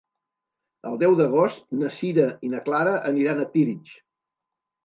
El deu d'agost na Sira i na Clara aniran a Tírig.